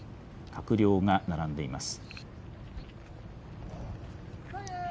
閣僚が並んでいます。